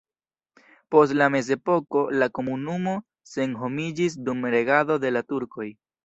Post la mezepoko la komunumo senhomiĝis dum regado de la turkoj.